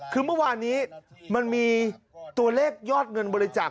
คือเมื่อวานนี้มันมีตัวเลขยอดเงินบริจาค